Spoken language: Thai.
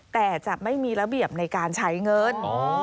แต่จะไม่มีระเบียบในการใช้เงิน